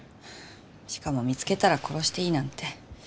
しかも見つけたら殺していいなんて。